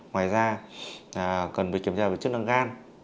ngoài ra cần phải kiểm tra về chức năng gan